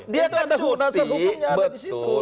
dia ada hukumnya di situ